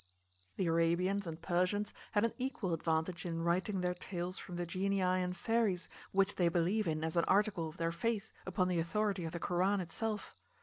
The Arabians and Persians had an equal advantage in writing their tales from the genii and fairies, which they believe in as an article of their faith, upon the authority of the Koran itself.